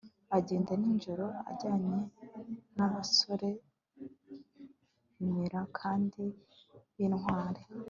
agenda nijoro ajyanye n'abasore b'imena kandi b'intwari